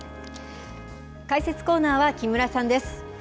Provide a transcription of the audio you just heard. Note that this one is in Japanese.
解説コーナーは木村さんです。